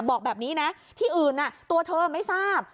บอกแบบนี้นะที่อื่นตัวเธอไม่ทราบ